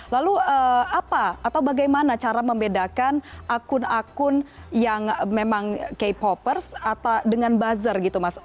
lalu apa atau bagaimana cara membedakan akun akun yang memang k popers atau dengan buzzer gitu mas